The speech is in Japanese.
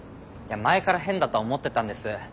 前から変だとは思ってたんです。